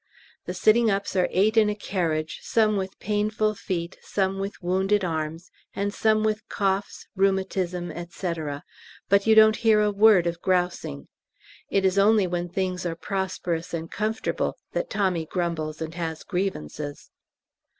The sitting ups are eight in a carriage, some with painful feet, some with wounded arms, and some with coughs, rheumatism, &c., but you don't hear a word of grousing. It is only when things are prosperous and comfortable that Tommy grumbles and has grievances.